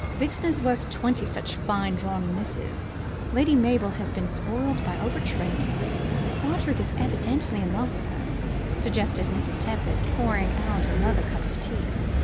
Vixen is worth twenty such fine drawn misses. Lady Mabel has been spoiled by over training." "Roderick is evidently in love with her," suggested Mrs. Tempest, pouring out another cup of tea.